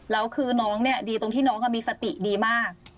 แล้วคือน้องเนี่ยดีตรงที่น้องมีสติดีมาก